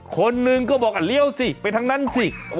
คนหนึ่งก็บอกเลี้ยวสิไปทางนั้นสิ